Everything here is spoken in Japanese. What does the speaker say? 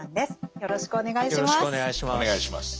よろしくお願いします。